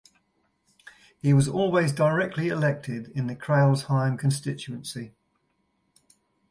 He was always directly elected in the Crailsheim constituency.